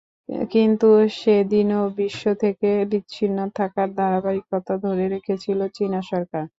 কিন্তু সেদিনও বিশ্ব থেকে বিচ্ছিন্ন থাকার ধারাবাহিকতা ধরে রেখেছিল চীনা সরকার।